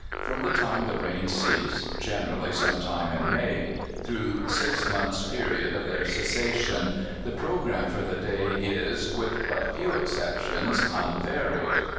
From the time the rains cease generally some time in May through the six months' period of their cessation, the programme for the day is, with but few exceptions, unvaried.